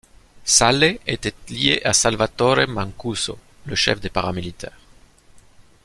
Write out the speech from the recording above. Sale était lié à Salvatore Mancuso, le chef des paramilitaires.